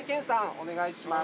お願いします。